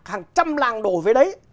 hàng trăm làng đổ về đấy